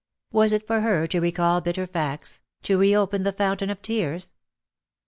Was it for her to recall bitter facts — to reopen the fountain of tears ?